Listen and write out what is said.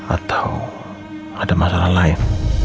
atau ada masalah lain